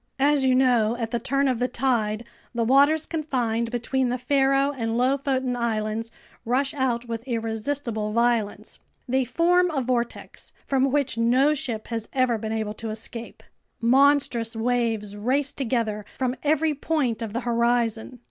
As you know, at the turn of the tide, the waters confined between the Faroe and Lofoten Islands rush out with irresistible violence. They form a vortex from which no ship has ever been able to escape. Monstrous waves race together from every point of the horizon.